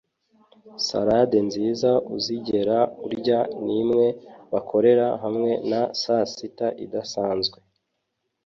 Salade nziza uzigera urya nimwe bakorera hamwe na sasita idasanzwe